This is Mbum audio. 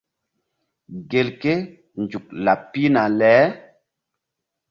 Gelke nzuk laɓ pihna le.